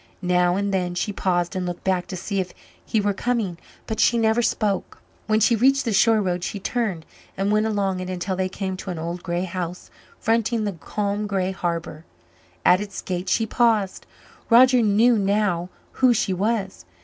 Now and then she paused and looked back to see if he were coming, but she never spoke. When she reached the shore road she turned and went along it until they came to an old grey house fronting the calm grey harbour. At its gate she paused. Roger knew now who she was.